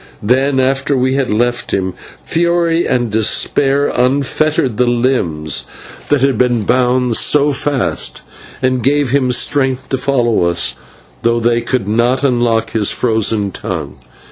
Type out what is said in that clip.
Then, after we had left him, fury and despair unfettered the limbs that had been bound so fast and gave him strength to follow us, though they could not unlock his frozen tongue.